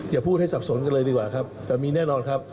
อย่าพูดให้สับสนกันเลยดีกว่าครับแต่มีแน่นอนครับ